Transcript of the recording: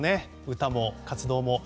歌も活動も。